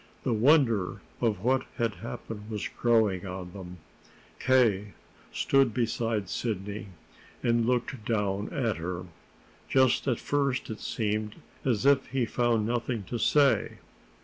The wonder of what had happened was growing on them. K. stood beside Sidney, and looked down at her. Just at first it seemed as if he found nothing to say.